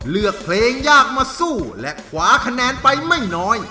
เลือกเพลงยากมาสู้และขวาคะแนนไปไม่น้อย